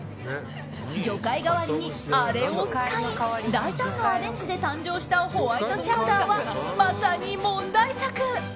魚介代わりに、あれを使い大胆なアレンジで誕生したホワイトチャウダーはまさに問題作。